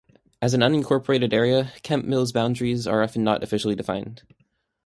As an unincorporated area, Kemp Mill's boundaries are not officially defined.